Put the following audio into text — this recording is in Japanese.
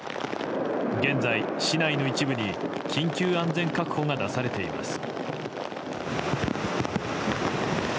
現在、市内の一部に緊急安全確保が出されています。